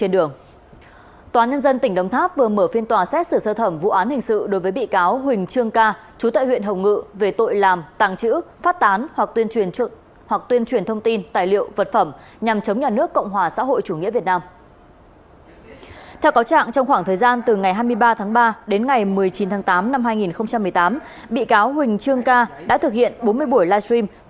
đường hải triều quận một đoạn từ đường hồ tùng mậu đến đường hồ tùng mậu đến đường nguyễn huệ